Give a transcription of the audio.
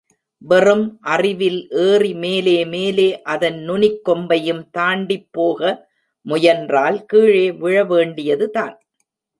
வெறும் அறிவில் ஏறி மேலே மேலே அதன் நுனிக் கொம்பையும் தாண்டிப் போக முயன்றால் கீழே விழ வேண்டியதுதான்.